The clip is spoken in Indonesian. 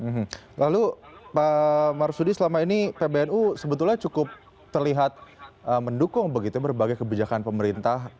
hmm lalu pak marsudi selama ini pbnu sebetulnya cukup terlihat mendukung begitu berbagai kebijakan pemerintah